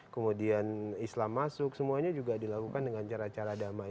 kemudian islam masuk semuanya juga dilakukan dengan cara cara damai